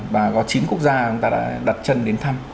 và có chín quốc gia đã đặt chân đến thăm